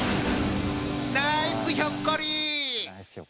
ナイスひょっこり。